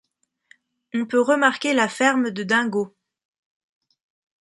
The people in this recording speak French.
On peut remarquer la ferme de Dingo.